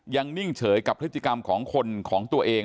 นิ่งเฉยกับพฤติกรรมของคนของตัวเอง